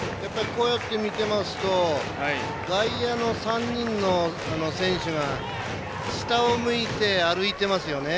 こうやって見てますと外野の３人の選手が下を向いて歩いてますよね。